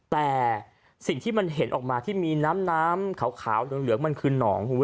แต่สิ่งที่มันเห็นออกมาที่มีน้ำน้ำขาวเหลืองมันคือหนอง